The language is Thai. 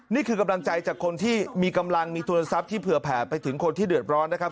นี่คือกำลังใจจากคนที่มีกำลังมีทุนทรัพย์ที่เผื่อแผ่ไปถึงคนที่เดือดร้อนนะครับ